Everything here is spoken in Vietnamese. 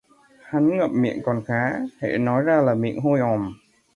Hắn ngậm miệng còn khá, hễ nói ra là miệng hôi òm